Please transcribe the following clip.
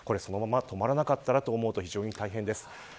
そのまま止まらなかったらと思うと非常に大変です。